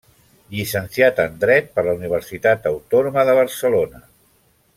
Llicenciat en Dret per la Universitat Autònoma de Barcelona.